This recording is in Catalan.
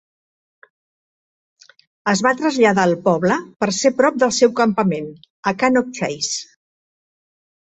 Es va traslladar al poble per ser prop del seu campament a Cannock Chase.